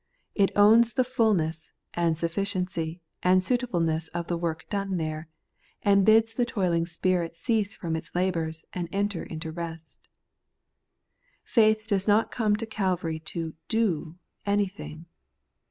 It owns the fulness, and sufficiency, and suitableness of the work done there, and bids the toiling spirit cease from its labours and enter into rest. Faith does not come to Calvary to do anything.